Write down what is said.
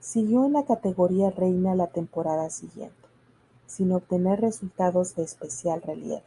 Siguió en la categoría reina la temporada siguiente, sin obtener resultados de especial relieve.